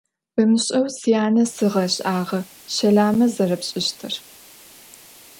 Bemış'eu syane siğeş'ağe şelame zerepş'ıştır.